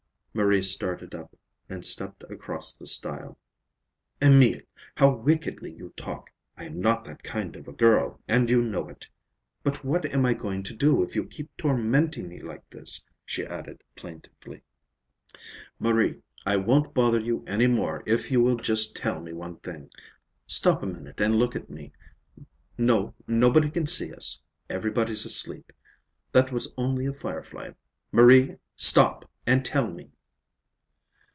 Marie started up and stepped across the stile. "Emil! How wickedly you talk! I am not that kind of a girl, and you know it. But what am I going to do if you keep tormenting me like this!" she added plaintively. "Marie, I won't bother you any more if you will tell me just one thing. Stop a minute and look at me. No, nobody can see us. Everybody's asleep. That was only a firefly. Marie, stop and tell me!"